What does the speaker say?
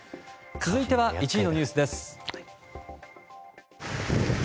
続いては１位のニュースです。